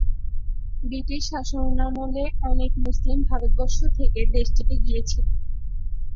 British শাসনামলে অনেক মুসলিম ভারতবর্ষ থেকে দেশটিতে গিয়েছিল।